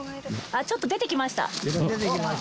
あっちょっと出てきました。